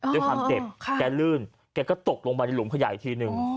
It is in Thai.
ด้วยความเจ็บแกลื่นแกก็ตกลงไปในหลุมขยะอีกทีหนึ่ง